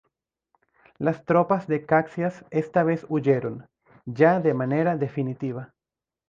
Las tropas de Caxias esta vez huyeron, ya de manera definitiva.